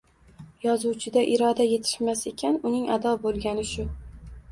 Yozuvchida iroda yetishmas ekan, uning ado boʻlgani shu